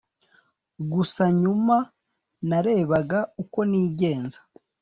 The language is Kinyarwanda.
gusa nyuma narebaga uko nigenza